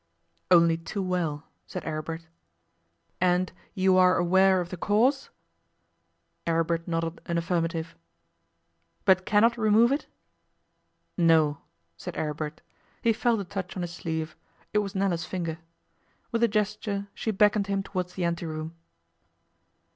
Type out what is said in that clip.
'Only too well,' said Aribert. 'And you are aware of the cause?' Aribert nodded an affirmative. 'But cannot remove it?' 'No,' said Aribert. He felt a touch on his sleeve. It was Nella's finger. With a gesture she beckoned him towards the ante room.